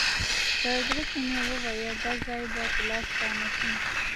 په زړه کښې مې وويل بل ځاى به په لاس را نه سې.